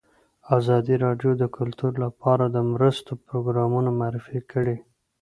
ازادي راډیو د کلتور لپاره د مرستو پروګرامونه معرفي کړي.